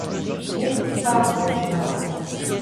N’écoute pas, mon Gennaro!